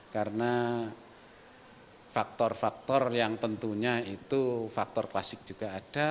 karena faktor faktor yang tentunya itu faktor klasik juga ada